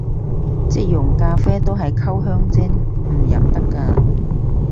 即溶咖啡都係溝香精，唔飲得咖